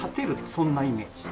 そんなイメージ。